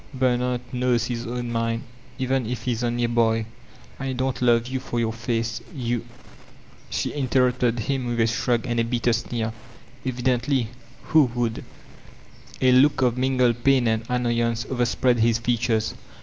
"Bernard knows his own mind, even if he is 'only a boy.' I don't love you for your face, you —" She i nterrupte d him with a shrug and a bitter sneer. "Evkkntly! Who would r A look of mingled pain and annoyance overspread his features.